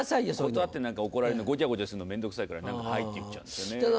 断って怒られるのゴチャゴチャするの面倒くさいから「はい」って言っちゃうんですよね。